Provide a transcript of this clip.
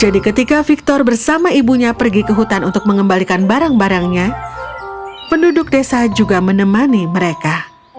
jadi ketika victor bersama ibunya pergi ke hutan untuk mengembalikan barang barangnya penduduk desa juga menemani mereka